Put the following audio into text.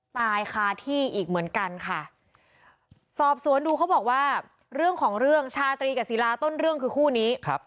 ตายคาที่อีกเหมือนกันค่ะ